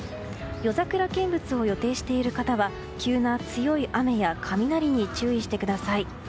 夜桜見物を予定している方は急な強い雨や雷に注意してください。